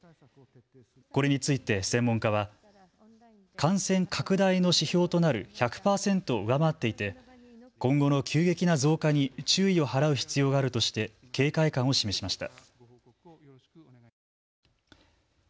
これについて専門家は感染拡大の指標となる１００％を上回っていて今後の急激な増加に注意を払う必要があるとして警戒感を示しました。